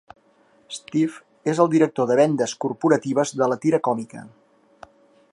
Stef és el director de vendes corporatives de la tira còmica.